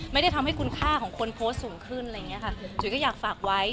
ไม่ได้ทำให้คุณค่าของคนโพสต์สูงขึ้นจุ๊ยก็อยากฝากไว้